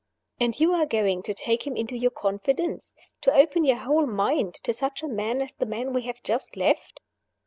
"And you are going to take him into your confidence? to open your whole mind to such a man as the man we have just left?"